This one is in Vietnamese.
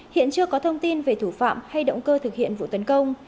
hiện chưa có thông tin về thủ phạm hay động cơ thực hiện vụ tấn công